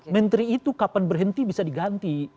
menteri itu kapan berhenti bisa diganti